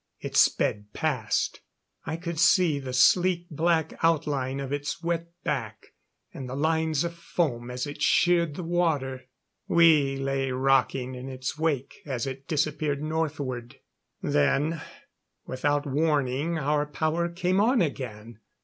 It sped past. I could see the sleek black outline of its wet back, and the lines of foam as it sheered the water. We lay rocking in its wake as it disappeared northward. Then, without warning, our power came on again.